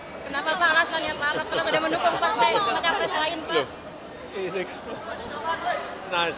kenapa pak alasannya pak karena tidak mendukung partai tidak ada yang selain pak